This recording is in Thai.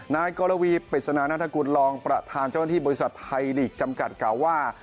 นายกรวีปริศนานาธกุลรองประธานเจ้าหน้าที่บริษัทไทยลีกจำกัดกล่าวว่า